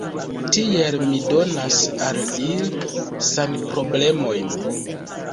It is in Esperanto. Tiel mi donas al ili sanproblemojn.